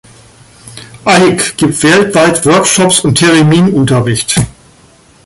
Eyck gibt weltweit Workshops und Theremin-Unterricht.